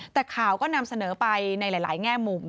แต่ข่าวก็นำเสนอไปในหลายแง่มุม